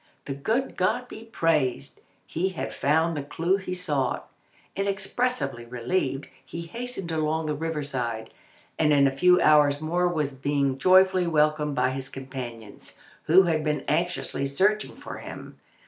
The good God be praised! he had found the clue he sought. Inexpressibly relieved, he hastened along the river side, and in a few hours more was being joyfully welcomed by his companions, who had been anxiously searching for him.